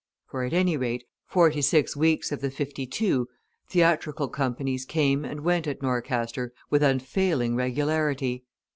For at any rate forty six weeks of the fifty two, theatrical companies came and went at Norcaster with unfailing regularity.